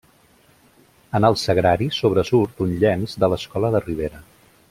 En el Sagrari sobresurt un llenç de l'escola de Ribera.